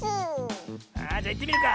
あじゃいってみるか。